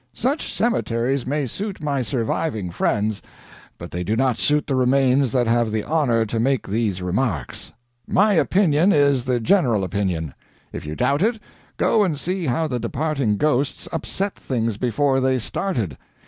Such cemeteries may suit my surviving friends, but they do not suit the remains that have the honor to make these remarks. My opinion is the general opinion. If you doubt it, go and see how the departing ghosts upset things before they started.